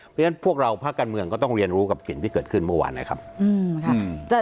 เพราะฉะนั้นพวกเราภาคการเมืองก็ต้องเรียนรู้กับสิ่งที่เกิดขึ้นเมื่อวานนะครับ